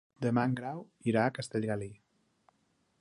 Demà en Grau irà a Castellgalí.